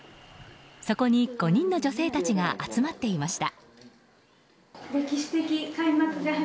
そこに５人の女性たちが集まっていました。